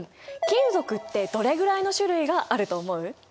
金属ってどれぐらいの種類があると思う？